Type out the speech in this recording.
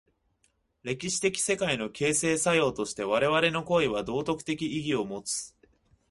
歴史的世界の形成作用として我々の行為は道徳的意義を有つ。